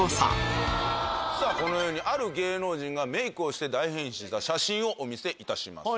このようにある芸能人がメイクをして大変身した写真をお見せいたします。